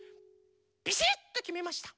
ビシッときめました。